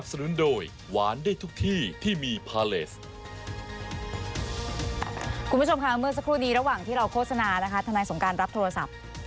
คุณผู้ชมค่ะเมื่อสักครู่นี้ระหว่างที่เราโฆษณานะคะทนายสงการรับโทรศัพท์